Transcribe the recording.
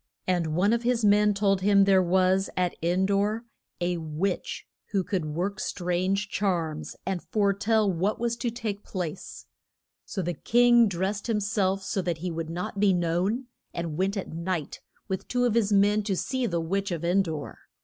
And one of his men told him there was at En dor a witch who could work strange charms, and fore tell what was to take place. So the king drest him self so that he would not be known, and went at night with two of his men to see the witch of En dor.